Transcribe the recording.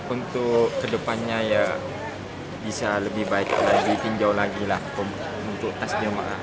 untuk kedepannya ya bisa lebih baik lagi pinjau lagi lah untuk tas jamaah